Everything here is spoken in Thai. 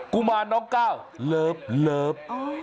กุมารน้องก้าวเลิฟ